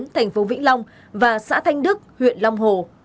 thành phố vĩnh long và xã thanh đức huyện long hồ